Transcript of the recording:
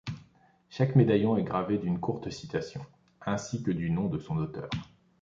Chaque médaillon est gravé d'une courte citation, ainsi que du nom de son auteur.